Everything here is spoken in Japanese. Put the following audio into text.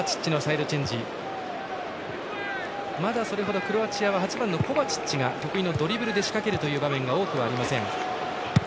まだそれほどクロアチアは８番のコバチッチが得意のドリブルで仕掛けるという場面は多くありません。